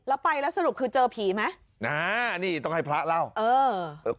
แล้วไปแล้วสรุปคือเจอผีไหมนะฮะนี่ต้องให้พระเล่าเออเออ